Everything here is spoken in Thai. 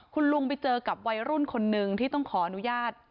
คุณลุงไปเจอกับวัยรุ่นคนนึงที่ต้องขออนุญาต